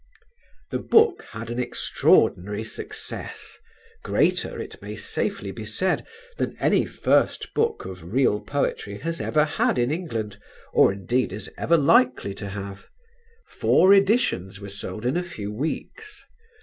The book had an extraordinary success, greater, it may safely be said, than any first book of real poetry has ever had in England or indeed is ever likely to have: four editions were sold in a few weeks.